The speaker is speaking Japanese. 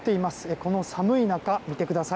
この寒い中、見てください